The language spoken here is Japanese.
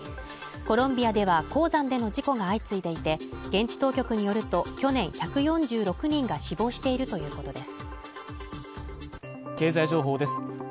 コロンビアでは鉱山での事故が相次いでいて、現地当局によると、去年１４６人が死亡しているということです。